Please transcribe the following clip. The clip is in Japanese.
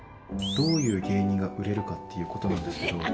どういう芸人が売れるか？っていう事なんですけど。